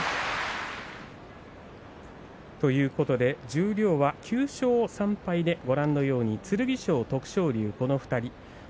十両は９勝３敗でご覧のように剣翔、徳勝龍この２人です。